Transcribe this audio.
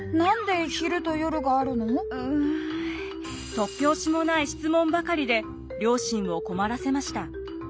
突拍子もない質問ばかりで両親を困らせました。